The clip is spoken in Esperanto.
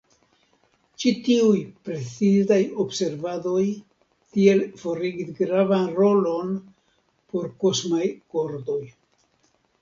Ĉi-tiuj precizaj observadoj tiel forigis gravan rolon por kosmaj kordoj.